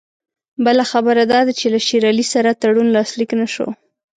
بله خبره دا ده چې له شېر علي سره تړون لاسلیک نه شو.